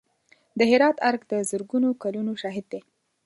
د هرات ارګ د زرګونو کلونو شاهد دی.